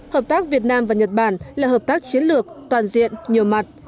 hợp tác việt nam và nhật bản là hợp tác chiến lược toàn diện nhiều mặt